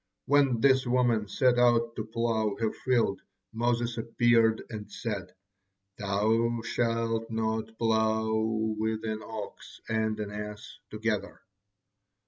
When this woman set out to plow her field, Moses appeared and said: 'Thou shalt not plow with an ox and an ass together.'